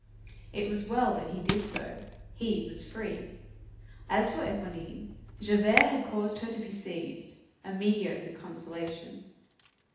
It was well that he did so. He was free. As for Éponine, Javert had caused her to be seized; a mediocre consolation.